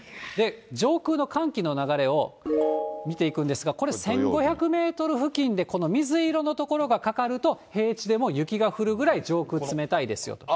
上空の寒気の流れを見ていくんですが、これ、１５００メートル付近でこの水色の所がかかると、平地でも雪が降るぐらい上空冷たいですよと。